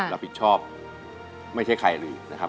รับผิดชอบไม่ใช่ใครเลยนะครับ